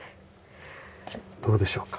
どうでしょうか？